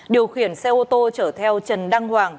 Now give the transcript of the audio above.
điều khiển xe ô tô chở theo trần đăng hoàng